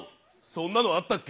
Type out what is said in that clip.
そんなのあったっけ？